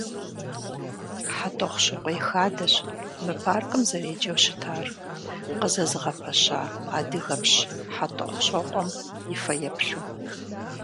«ХьэтӀохъущыкъуей хадэщ» мы паркым зэреджэу щытар, къызэзыгъэпэща адыгэпщ ХьэтӀохъущокъуэм и фэеплъу.